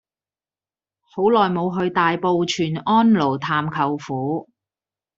好耐無去大埔全安路探舅父